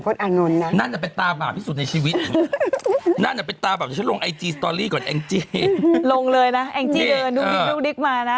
วันนี้มีมากมายเพราะว่าพรุ่งนี้๓๑ตุลาคม